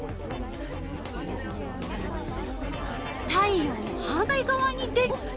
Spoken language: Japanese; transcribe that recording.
太陽の反対がわに出るよ。